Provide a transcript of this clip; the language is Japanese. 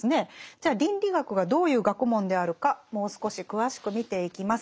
じゃあ倫理学がどういう学問であるかもう少し詳しく見ていきます。